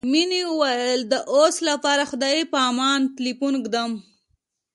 مينې وويل د اوس لپاره خدای په امان ټليفون ږدم.